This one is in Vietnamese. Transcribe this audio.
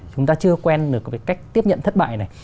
chúng ta chưa quen được cái cách tiếp nhận thất bại này